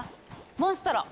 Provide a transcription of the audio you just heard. モンストロ！